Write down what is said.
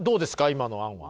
今の案は。